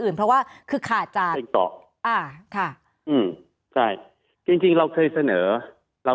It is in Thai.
เพราะว่าคือขาดจากอ่าค่ะอืมใช่จริงจริงเราเคยเสนอเรา